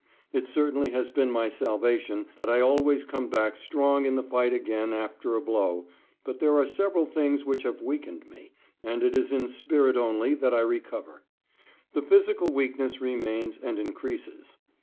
It certainly has been my salvation that I always come back strong in the fight again after a blow, but there are several things which have weakened me, and it is in spirit only that I recover; the physical weakness remains and increases.